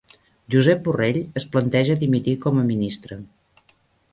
Josep Borrell es planteja dimitir com a ministre